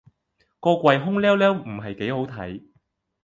個櫃空豂豂唔係幾好睇